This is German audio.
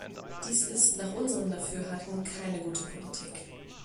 Dies ist nach unserem Dafürhalten keine gute Politik.